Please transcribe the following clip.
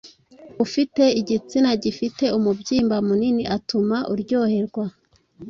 ufite igitsina gifite umubyimba munini atuma uryoherwa.